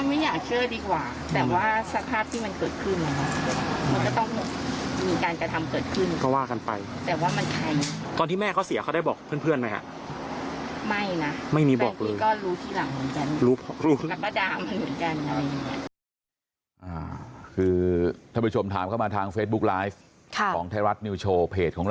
ไม่อยากเชื่อดีกว่าแต่ว่าสภาพที่มันเกิดขึ้นนะคะ